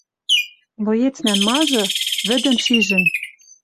«Млоецнӓн мажы... вӹдӹм шижӹн!..» —